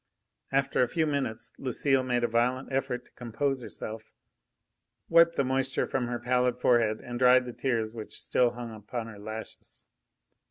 After a few minutes, Lucile made a violent effort to compose herself, wiped the moisture from her pallid forehead and dried the tears which still hung upon her lashes.